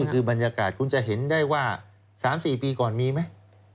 คือบรรยากาศคุณจะเห็นได้ว่า๓๔ปีก่อนมีไหม